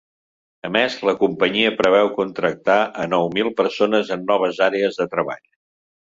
A més, la companyia preveu contractar a nou mil persones en noves àrees de treball.